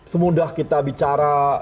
semudah kita bicara